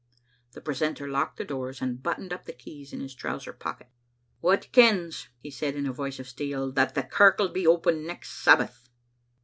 The precentor locked the doors, and buttoned up the keys in his trousers pockets. "Wha kens," he said, in a voice of steel, "that the kirk'll be open next Sabbath?"